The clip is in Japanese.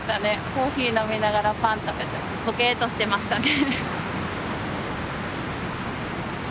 コーヒー飲みながらパン食べてぼけっとしてましたね。